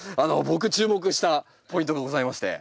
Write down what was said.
僕注目したポイントがございまして。